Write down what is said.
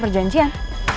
kamu mau ngapain